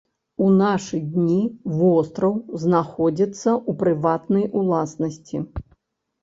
У нашы дні востраў знаходзіцца ў прыватнай уласнасці.